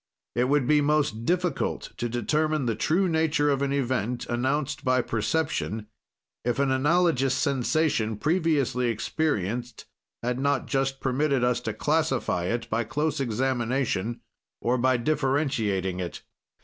"It would be most difficult to determine the true nature of an event, announced by perception, if an analogous sensation, previously experienced, had not just permitted us to classify it by close examination or by differentiating it.